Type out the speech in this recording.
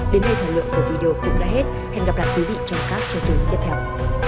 đến đây thời lượng của video cũng đã hết hẹn gặp lại quý vị trong các chương trình tiếp theo